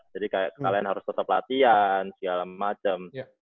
jadi kayak kalian harus tetep latihan segala macem